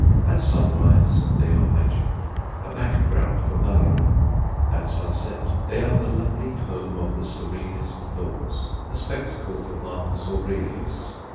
At sunrise they are magical, a background for Malory; at sunset they are the lovely home of the serenest thoughts, a spectacle for Marcus Aurelius.